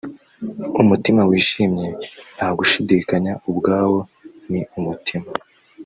Umutima wishimye nta gushidikanya ubwawo ni umuti